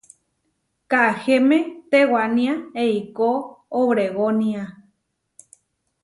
Kahéme tewaniá eikó Obregónia.